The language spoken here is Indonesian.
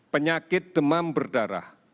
penyakit demam berdarah